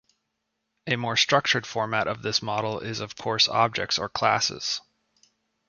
A more structured format of this model is of course objects, or classes.